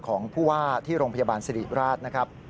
ของผู้ว่าที่โรงพยาบาลสิริราชนะครับ